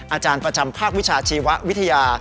อาจารย์ประจำภาควิชาชีววิทยา